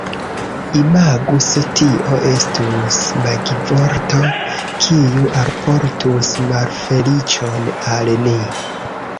Imagu se tio estus magivorto, kiu alportus malfeliĉon al ni.